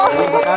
berat juga ya